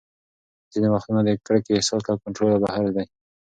ځینې وختونه د کرکې احساس له کنټروله بهر دی.